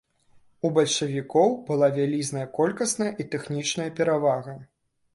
У бальшавікоў была вялізная колькасная і тэхнічная перавага.